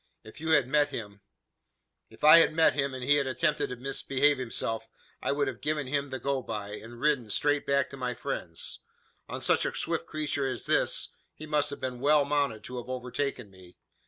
If you had met him " "If I had met him, and he had attempted to misbehave himself, I would have given him the go by, and ridden, straight back to my friends. On such a swift creature as this, he must have been well mounted to have overtaken me.